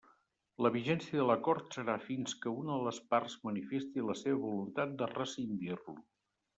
La vigència de l'Acord serà fins que una de les parts manifesti la seva voluntat de rescindir-lo.